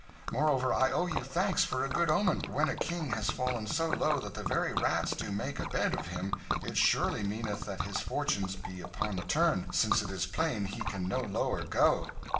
Moreover, I owe you thanks for a good omen; for when a king has fallen so low that the very rats do make a bed of him, it surely meaneth that his fortunes be upon the turn, since it is plain he can no lower go."